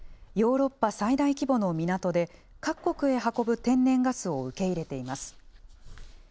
ヨーロッパ最大規模の港で各国へ運ぶ天然ガスを受け入れています。